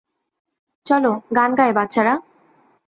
চল গান গাই, বাচ্চারা!